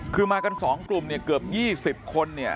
คือมากันสองกลุ่มเกือบ๒๐คน